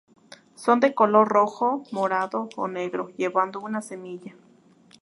Son de color rojo, morado o negro llevando una semilla.